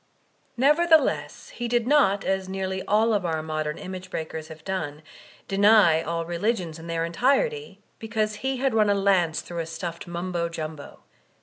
Nevertheless, he did not, as nearly all of our modem image breakers have done, deny all religions in their en tirety, because he had run a lance through a stuffed Mumbo Jumbo.